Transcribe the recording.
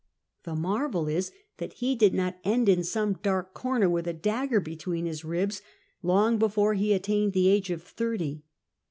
The marvel is that he did not end in some dark corner, with a dagger between his ribs, long before he attained the age of thirty.